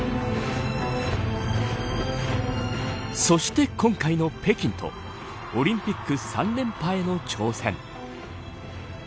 そして、今回の北京とオリンピック３連覇への挑戦。